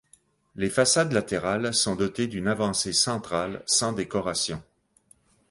Les façades latérales sont dotées d'une avancée centrale sans décoration.